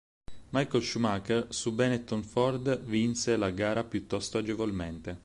Michael Schumacher su Benetton-Ford vinse la gara piuttosto agevolmente.